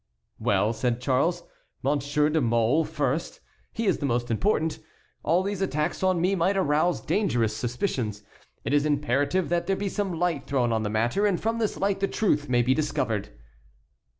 "Well," said Charles, "Monsieur de la Mole first; he is the most important. All these attacks on me might arouse dangerous suspicions. It is imperative that there be some light thrown on the matter and from this light the truth may be discovered."